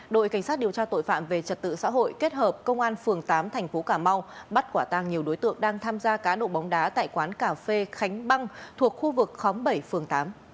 đội cảnh sát điều tra tội phạm về trật tự xã hội kết hợp công an phường tám thành phố cà mau bắt quả tăng nhiều đối tượng đang tham gia cá độ bóng đá tại quán cà phê khánh băng thuộc khu vực khóm bảy phường tám